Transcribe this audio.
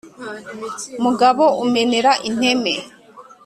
Mugabo umenera inteme